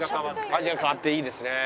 味が変わっていいですね。